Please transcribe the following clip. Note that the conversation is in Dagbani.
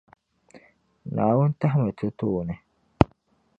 Naawuni tahimi ti tooni.